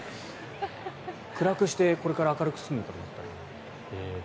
暗くして、これから明るくするのかと思った。